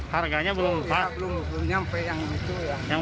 harganya belum sampai